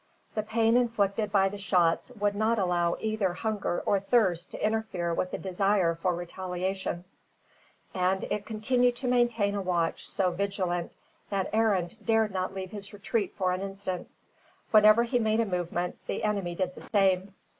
The pain inflicted by the shots would not allow either hunger or thirst to interfere with the desire for retaliation, and it continued to maintain a watch so vigilant that Arend dared not leave his retreat for an instant. Whenever he made a movement, the enemy did the same.